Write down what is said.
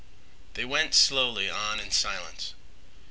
They went slowly on in silence.